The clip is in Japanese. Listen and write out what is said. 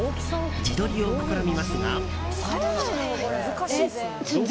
自撮りを試みますが。